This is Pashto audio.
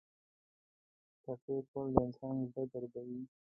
ټپي کول د انسان زړه دردوي.